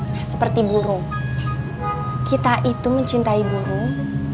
nah seperti burung kita itu mencintai burung